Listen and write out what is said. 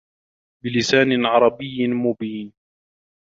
بِلِسانٍ عَرَبِيٍّ مُبينٍ